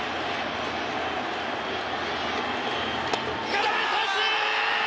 空振り三振！